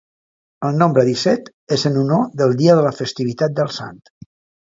El nombre disset és en honor del dia de la festivitat del Sant.